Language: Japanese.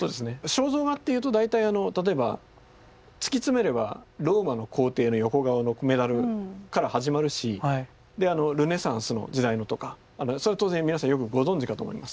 肖像画っていうと大体例えば突き詰めればローマの皇帝の横顔のメダルから始まるしルネサンスの時代のとかそれは当然皆さんよくご存じかと思います。